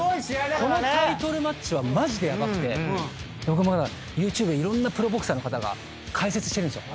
このタイトルマッチはマジでヤバくてＹｏｕＴｕｂｅでいろんなプロボクサーの方が解説してるんですよ。